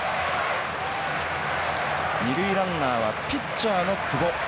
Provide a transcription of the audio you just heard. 二塁ランナーはピッチャーの久保。